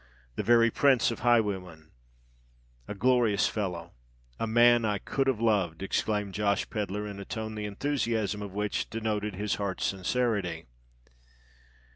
"The very prince of highwaymen—a glorious fellow,—a man that I could have loved!" exclaimed Josh Pedler, in a tone the enthusiasm of which denoted his heart's sincerity.